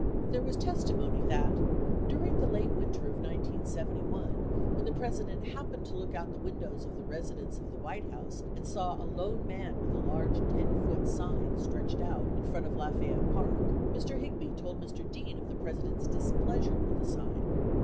There was testimony that "during the late winter of 1971, when the President happened to look out the windows of the residence of the White House and saw a lone man with a large 10 foot sign stretched out in front of Lafayette Park." 60 Mr. Higby told Mr. Dean of the President's displeasure with the sign.